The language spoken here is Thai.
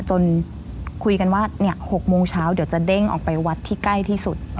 จนคุยกันว่า๖โมงเช้าเดี๋ยวจะเด้งออกไปวัดที่ใกล้ที่สุด